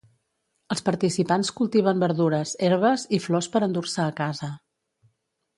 Els participants cultiven verdures, herbes i flors per endur-se a casa.